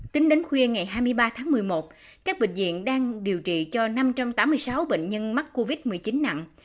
tính đến khuya ngày hai mươi ba tháng một mươi một các bệnh viện đang điều trị cho năm trăm tám mươi sáu bệnh nhân mắc covid một mươi chín nặng